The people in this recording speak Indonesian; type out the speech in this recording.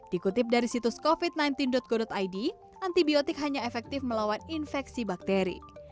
dikutip dari situs covid sembilan belas go id antibiotik hanya efektif melawan infeksi bakteri